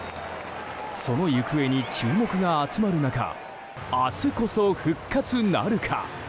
その行方に注目が集まる中明日こそ復活なるか？